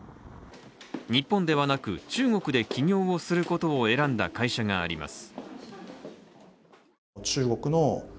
日本ではなく中国で起業をすることを選んだ会社があります。